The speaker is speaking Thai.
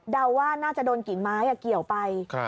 ว่าน่าจะโดนกิ่งไม้เกี่ยวไป